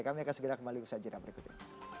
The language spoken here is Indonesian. kami akan segera kembali bersajaran berikutnya